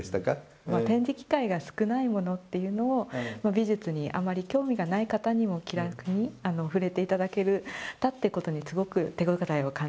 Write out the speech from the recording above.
展示機会が少ないものっていうのを美術にあまり興味がない方にも気楽に触れて頂けたってことにすごく手応えを感じてます。